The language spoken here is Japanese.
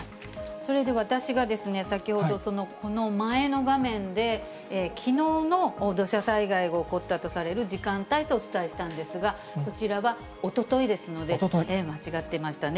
それで私が先ほど、この前の画面で、きのうの土砂災害が起こったとされる時間帯とお伝えしたんですが、こちらはおとといですので、間違ってましたね。